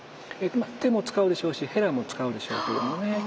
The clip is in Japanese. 手も使うでしょうしヘラも使うでしょうけれどもね。